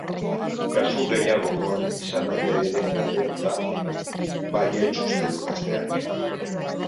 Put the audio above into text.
Kasu gehiago egon izan ote diren galdetuta, baietz uste du gazteak.